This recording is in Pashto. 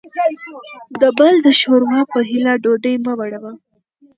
دبل دشوروا په هیله ډوډۍ مه وړه وه